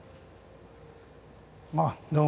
あっどうも。